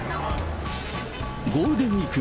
ゴールデンウィーク